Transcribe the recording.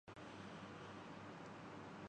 دل ہی تو ہے سیاست درباں سے ڈر گیا